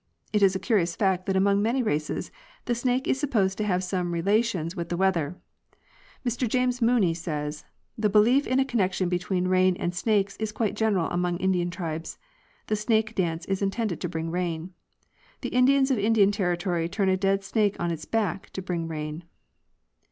It is a curious fact that among many races the snake is supposed to have some relations with the weather. Mr James Mooney says, "The belief in a con nection between rain and snakes is quite general among Indian tribes. The snake dance is intended to bring rain. The Indians of Indian territory turn a dead snake on its back to bring rain."